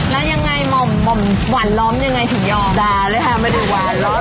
แล้วยังไงหม่อมหวานล้อมยังไงถึงยอมด่าเลยค่ะไม่ได้หวานล้อม